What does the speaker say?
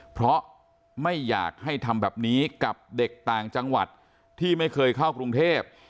เพราะไม่อยากให้ทำแบบนี้กับเด็กต่างจังหวัดที่ไม่เคยเข้ากรุงเทพ